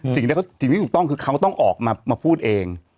สิ่งที่สิ่งที่ถูกต้องคือเขาต้องออกมาพูดเอง